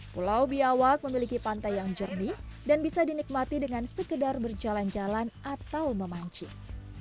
pulau biawak memiliki pantai yang jernih dan bisa dinikmati dengan sekedar berjalan jalan atau memancing